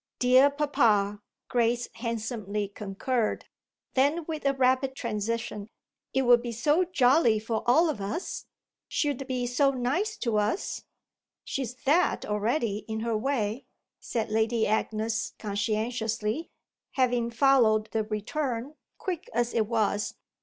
"Dear papa!" Grace handsomely concurred. Then with a rapid transition: "It would be so jolly for all of us she'd be so nice to us." "She's that already in her way," said Lady Agnes conscientiously, having followed the return, quick as it was.